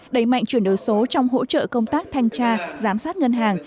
đẩy mạnh chuyển đổi số trong hỗ trợ công tác thanh tra giám sát ngân hàng